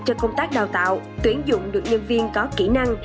cho công tác đào tạo tuyển dụng được nhân viên có kỹ năng